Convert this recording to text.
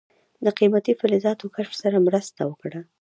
د قیمتي فلزاتو کشف سره مرسته وکړه.